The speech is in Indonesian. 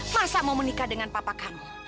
masa mau menikah dengan papa kamu